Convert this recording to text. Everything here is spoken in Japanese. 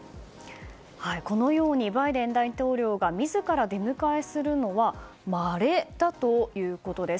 このようにバイデン大統領が自ら出迎えするのはまれだということです。